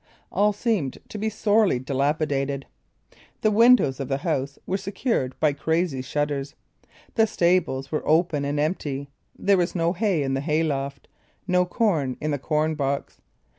All seemed to be sorely dilapidated: the windows of the house were secured by crazy shutters; the stables were open and empty; there was no hay in the hay loft, no corn in the corn box.